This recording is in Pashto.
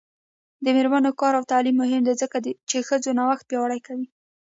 د میرمنو کار او تعلیم مهم دی ځکه چې ښځو نوښت پیاوړتیا کوي.